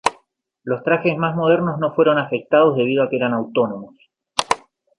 Los trajes más modernos no fueron afectados debido a que eran autónomos.